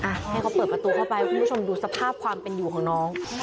ให้เขาเปิดประตูเข้าไปคุณผู้ชมดูสภาพความเป็นอยู่ของน้อง